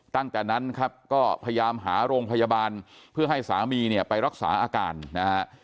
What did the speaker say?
ตั้งแต่นั้นครับก็พยายามหาโรงพยาบาลเพื่อให้สามีเนี่ยไปรักษาอาการนะฮะ